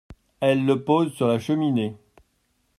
Elle le pose sur la cheminée.